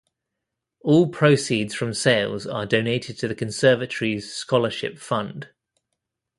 All proceeds from sales are donated to the conservatory's scholarship fund.